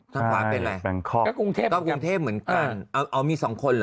ค่ะใช่แบงค์คอร์กก็กรุงเทพฯเหมือนกันอ๋อมีสองคนเหรอ